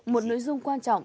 một nội dung quan trọng